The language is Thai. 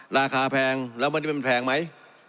ราคาแพงแล้วมันเป็นแพงไหม